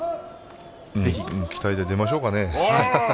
期待で出ましょうかね。